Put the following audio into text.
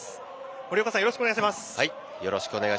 森岡さん、よろしくお願いします。